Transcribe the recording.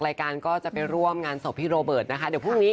รายการก็จะไปร่วมงานศพพี่โรเบิร์ตนะคะเดี๋ยวพรุ่งนี้